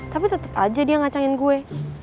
tapi tetap aja dia ngacangin gue